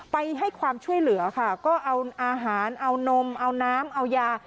ไปให้ความช่วยเหลือค่ะก็เอาอาหารเอานมเอาน้ำเอายา